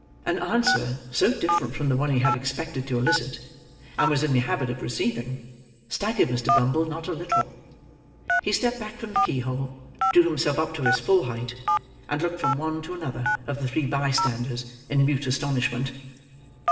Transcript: An answer so different from the one he had expected to elicit, and was in the habit of receiving, staggered Mr. Bumble not a little. He stepped back from the keyhole; drew himself up to his full height; and looked from one to another of the three bystanders, in mute astonishment.